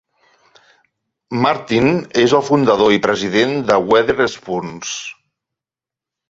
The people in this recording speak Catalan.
Martin és el fundador i president de Wetherspoons.